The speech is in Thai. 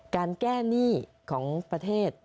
การแก้หนี้ของประเทศ